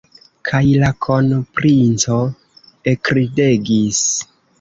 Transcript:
Kaj la kronprinco ekridegis.